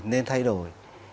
nên thay đổi